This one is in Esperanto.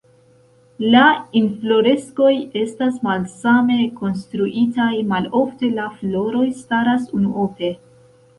La infloreskoj estas malsame konstruitaj, malofte la floroj staras unuope.